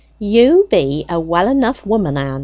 "You be a well enough woman, Ann."